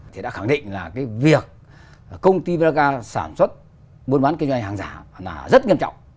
thì đã khẳng định là cái việc công ty vieca sản xuất buôn bán kinh doanh hàng giả là rất nghiêm trọng